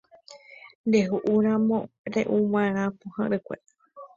Ndehu'úramo re'uva'erã pohã rykue.